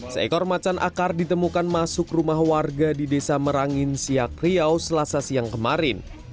seekor macan akar ditemukan masuk rumah warga di desa merangin siak riau selasa siang kemarin